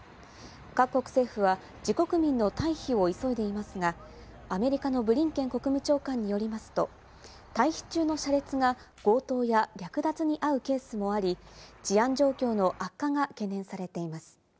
各国政府は自国民の退避を急いでいますが、アメリカのブリンケン国務長官によりますと、退避中の車列が強盗や略奪に遭うケースもあり、治安状況の悪化が懸念されています。